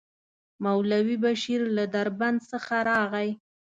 مولوي بشير له دربند څخه راغی.